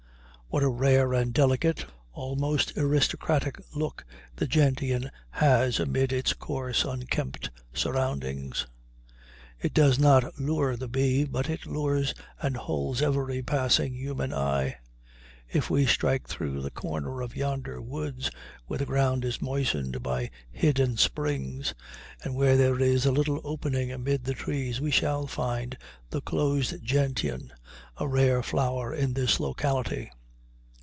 What a rare and delicate, almost aristocratic look the gentian has amid its coarse, unkempt surroundings! It does not lure the bee, but it lures and holds every passing human eye. If we strike through the corner of yonder woods, where the ground is moistened by hidden springs, and where there is a little opening amid the trees, we shall find the closed gentian, a rare flower in this locality.